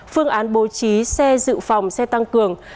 phương án bố trí xe dự phòng xe tăng cường